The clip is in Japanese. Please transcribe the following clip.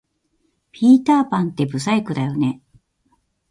ピーターパンって不細工だよね